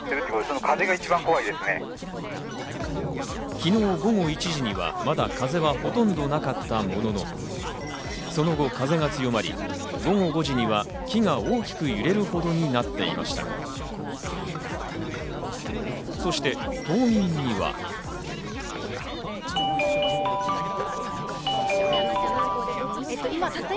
昨日午後１時には、まだ風はほとんどなかったものの、その後、風が強まり、午後５時には木が大きく揺れるほどになっていました。